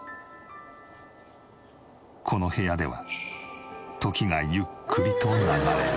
この部屋では時がゆっくりと流れる。